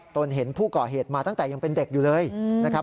ตนเห็นผู้ก่อเหตุมาตั้งแต่ยังเป็นเด็กอยู่เลยนะครับ